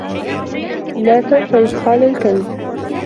لا تنس إدخال الكلب.